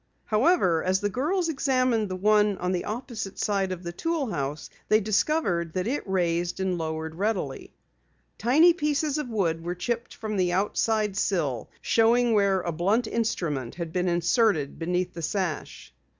However, as the girls examined the one on the opposite side of the tool house, they discovered that it raised and lowered readily. Tiny pieces of wood were chipped from the outside sill, showing where a blunt instrument had been inserted beneath the sash.